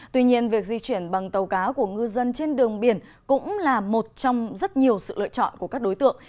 tuy nhiên việc di chuyển bằng tàu cá của ngư dân trên đường biển cũng là một trong rất nhiều sự lựa chọn của các đối tượng